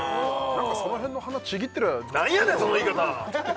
何かその辺の花ちぎって何やねんその言い方！